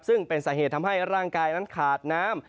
ซึ่งเป็นสาเหตุทำให้ร่างกายนั้นขาดน้ำ